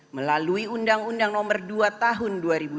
melalui undang undang nomor dua tahun dua ribu dua